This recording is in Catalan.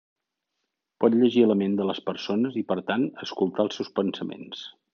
Pot llegir la ment de les persones i, per tant, escoltar els seus pensaments.